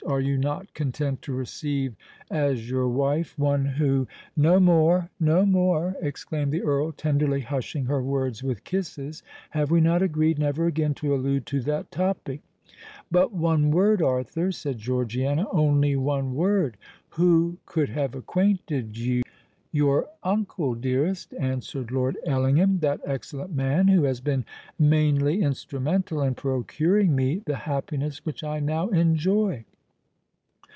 "Are you not content to receive as your wife one who——" "No more—no more!" exclaimed the Earl, tenderly hushing her words with kisses. "Have we not agreed never again to allude to that topic?" "But one word, Arthur," said Georgiana: "only one word! Who could have acquainted you——" "Your uncle, dearest," answered Lord Ellingham;—"that excellent man who has been mainly instrumental in procuring me the happiness which I now enjoy!"